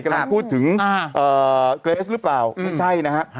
กำลังพูดถึงเกรสหรือเปล่าไม่ใช่นะฮะ